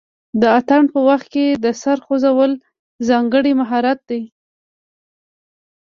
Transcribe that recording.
د اتن په وخت کې د سر خوځول ځانګړی مهارت دی.